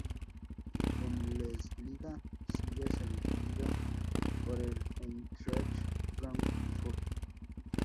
Bundesliga, siendo cedido por el Eintracht Frankfurt.